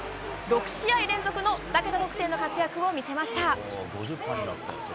６試合連続の２桁得点の活躍を見せました。